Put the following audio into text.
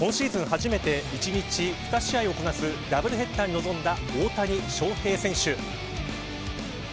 初めて１日２試合をこなすダブルヘッダーに臨んだ大谷翔平選手。